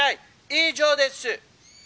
以上です」。